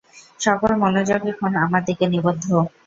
সকল মনোযোগ এখন আমার দিকে নিবদ্ধ!